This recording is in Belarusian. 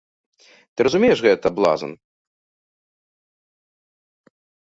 Ты разумееш гэта, блазан?